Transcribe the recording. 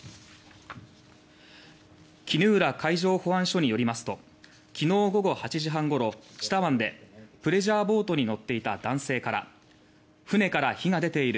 衣浦海上保安署によりますときのう午後８時半ごろ知多湾でプレジャーボートに乗っていた男性から「船から火が出ている。